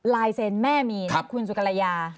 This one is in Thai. ลายเซ็นต์แม่มีคุณสุกรยา